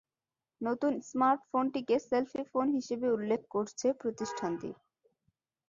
নতুন স্মার্টফোনটিকে selfie phone হিসেবে উল্লেখ করছে প্রতিষ্ঠানটি।